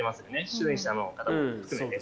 出演者の方も含めて。